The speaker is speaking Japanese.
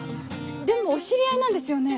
でもお知り合いなんですよね？